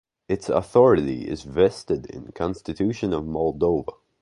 Its authority is vested in the Constitution of Moldova.